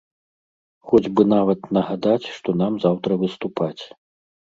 Хоць бы нават нагадаць, што нам заўтра выступаць.